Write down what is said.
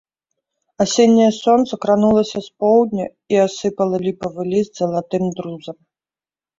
Асенняе сонца кранулася з поўдня і асыпала ліпавы ліст залатым друзам.